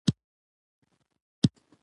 روژه د دماغ فعالیت ته وده ورکوي.